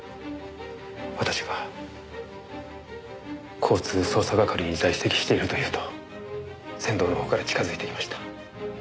私が交通捜査係に在籍していると言うと仙堂のほうから近づいてきました。